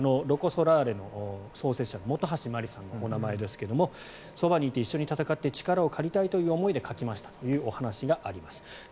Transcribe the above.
ロコ・ソラーレの創設者の本橋麻里さんのお名前ですがそばにいて一緒に戦って力を借りたいという思いで書きましたというお話があります。